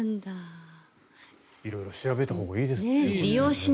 色々調べたほうがいいですね。